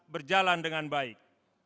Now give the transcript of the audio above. berjalan dengan baik